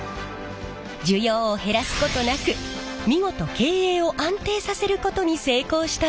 需要を減らすことなく見事経営を安定させることに成功したんです。